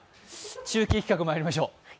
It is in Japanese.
中継企画にまいりましょう。